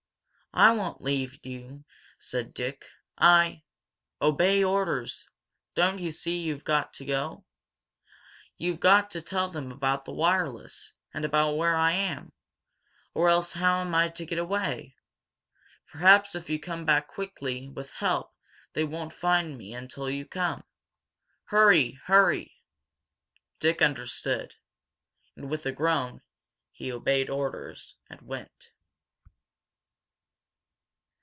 "I won't leave you!" said Dick. "I " "Obey orders! Don't you see you've go to go? You've got to tell them about the wireless and about where I am! Or else how am I to get away? Perhaps if you come back quickly with help they won't find me until you come! Hurry hurry!" Dick understood. And, with a groan, he obeyed orders, and went.